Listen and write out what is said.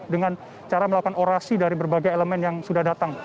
dengan cara melakukan orasi dari berbagai elemen yang sudah datang